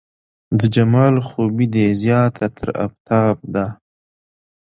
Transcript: د جمال خوبي دې زياته تر افتاب ده